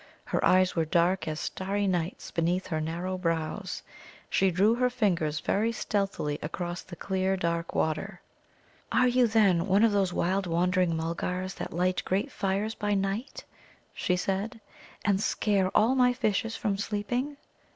Her eyes were dark as starry night's beneath her narrow brows. She drew her fingers very stealthily across the clear dark water. "Are you, then, one of those wild wandering Mulgars that light great fires by night," she said, "and scare all my fishes from sleeping?"